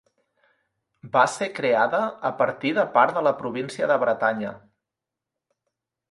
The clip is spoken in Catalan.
Va ser creada a partir de part de la província de Bretanya.